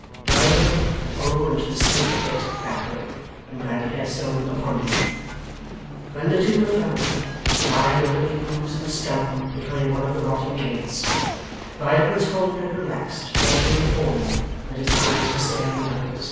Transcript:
Riderhood went over into the smooth pit, backward, and Bradley Headstone upon him. When the two were found, lying under the ooze and scum behind one of the rotting gates, Riderhood's hold had relaxed, probably in falling, and his eyes were staring upward.